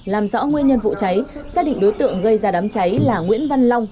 làm rõ nguyên nhân vụ cháy xác định đối tượng gây ra đám cháy là nguyễn văn long